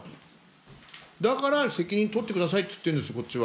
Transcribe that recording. だから責任取ってくださいって言ってるんですこっちは。